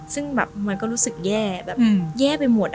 ซึ่งแบบมันก็รู้สึกแย่แบบแย่ไปหมด